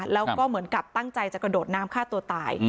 แล้วก็เหมือนกับตั้งใจจะกระโดดน้ำฆ่าตัวตาย